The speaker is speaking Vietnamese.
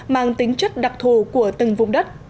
mang tính chất đặc thù của từng vùng đất